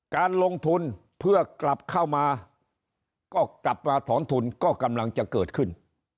การลงทุนเพื่อกลับเข้ามาก็กลับมาถอนทุนก็กำลังจะเกิดขึ้น